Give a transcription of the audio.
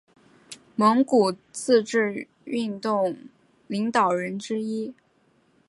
蒙古自治运动领导人之一。